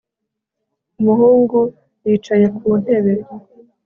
umuhungu yicaye ku ntebe